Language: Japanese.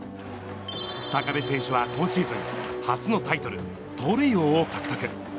高部選手は今シーズン、初のタイトル、盗塁王を獲得。